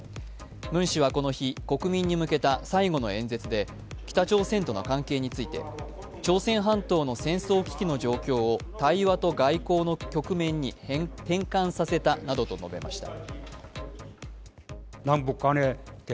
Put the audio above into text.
ムン氏はこの日、国民に向けた最後の演説で北朝鮮との関係について、朝鮮半島の戦争危機の状況を対話と外交の局面に転換させたなどと述べました。